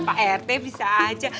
pak r t bisa aja